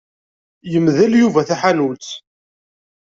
Yemdel Yuba taḥanut.